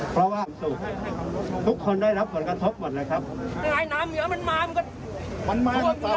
ทำอะไรบ้างเปล่า